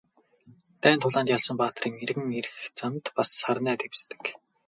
Дайн тулаанд ялсан баатрын эргэн ирэх замд бас сарнай дэвсдэг.